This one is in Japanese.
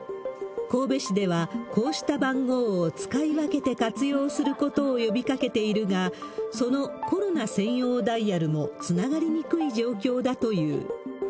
神戸市ではこうした番号を使い分けて活用することを呼びかけているが、そのコロナ専用ダイヤルもつながりにくい状況だという。